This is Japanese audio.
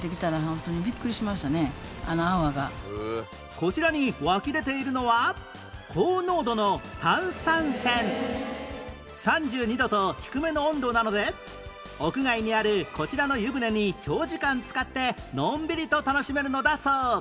こちらに湧き出ているのは３２度と低めの温度なので屋外にあるこちらの湯船に長時間つかってのんびりと楽しめるのだそう